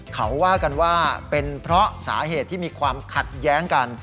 เขาว่ากันว่าเป็นเพราะสาเหตุที่มีความขัดแย้งกัน